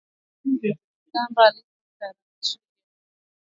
kwamba ushirika ziko pamoja na hazijatengana kama alivyotarajia